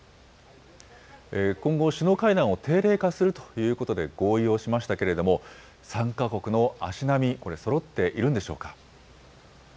今後、首脳会談を定例化するということで合意をしましたけれども、３か国の足並み、これ、そろっているんでしょうか。